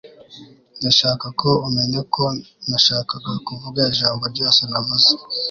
ndashaka ko umenya ko nashakaga kuvuga ijambo ryose navuze